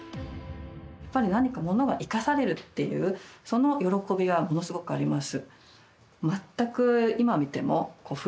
やっぱり何か物が生かされるっていうその喜びは、ものすごくあります。